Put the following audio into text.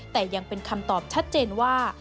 แต่ยังเป็นคำตอบชัดเจนว่า